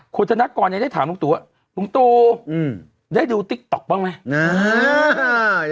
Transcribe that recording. คุณธนักกรยังได้ถามลุงตั๋วว่าลุงตั๋วได้ดูติ๊กต๊อกบ้างมั้ย